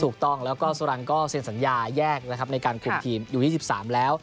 ถูกต้องแล้วจรังก็เสียงสัญญายแยกในการคุมทีมยู๒๓แล้ว